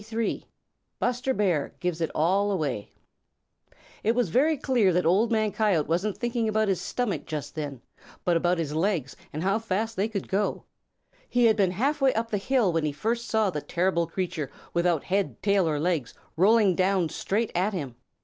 XXIII BUSTER BEAR GIVES IT ALL AWAY It was very clear that Old Man Coyote wasn't thinking about his stomach just then, but about his legs and how fast they could go. He had been half way up the hill when he first saw the terrible creature without head, tail, or legs rolling down straight at him.